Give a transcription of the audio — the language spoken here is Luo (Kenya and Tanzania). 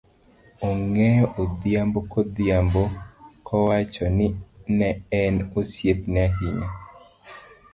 ong'eyo, odhiambo kodhiambo, kowacho ni ne en osiepne ahinya.